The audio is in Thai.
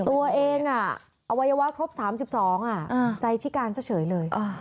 ตัวเองอวัยวะครบ๓๒ใจพิการซะเฉยเลย